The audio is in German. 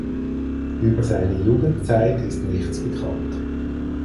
Über seine Jugendzeit ist nichts bekannt.